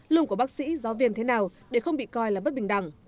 lương của bác sĩ giáo viên thế nào để không bị coi là bất bình đẳng